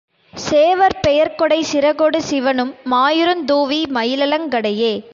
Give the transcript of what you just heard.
சேவற் பெயர்க்கொடை சிறகொடு சிவனும் மாயிருந் தூவி மயிலலங் கடையே.